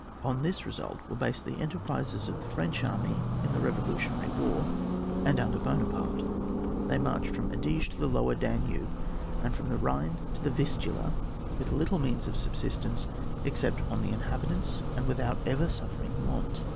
On this result were based the enter prises of the French army in the revo lutionary war, and under Buonaparte. They marched from the Adige to the Lower Danube, and from the Bhine to the Yifltula, with little means of subsistence except upon the inhabitants, and without ever suffering want.